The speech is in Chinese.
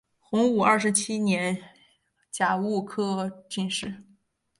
洪武二十七年甲戌科进士。